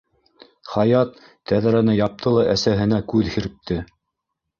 Хаят тәҙрәне япты ла әсәһенә күҙ һирпте: